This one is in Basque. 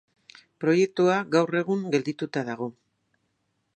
Proiektua gaur egun geldituta dago.